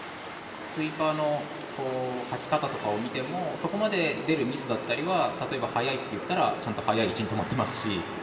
スイーパーのはき方とか見てもそこまで出るミスだったりは例えば、速いといったらちゃんと速い位置に止まっていますし。